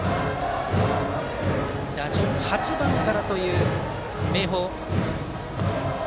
打順、８番からという明豊。